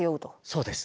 そうです。